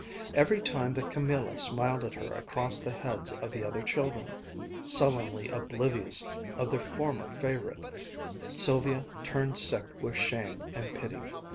Every time that Camilla smiled at her across the heads of the other children, sullenly oblivious of their former favorite, Sylvia turned sick with shame and pity.